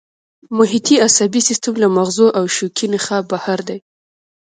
محیطي عصبي سیستم له مغزو او شوکي نخاع بهر دی